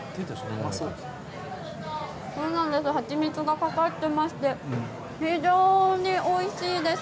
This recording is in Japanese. ハチミツがかかってまして非常においしいです。